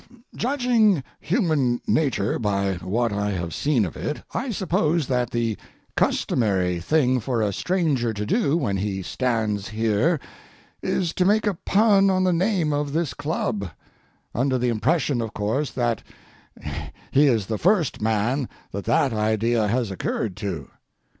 Judging human nature by what I have seen of it, I suppose that the customary thing for a stranger to do when he stands here is to make a pun on the name of this club, under the impression, of course, that he is the first man that that idea has occurred to.